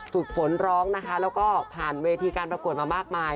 ฝึกฝนร้องนะคะแล้วก็ผ่านเวทีการประกวดมามากมาย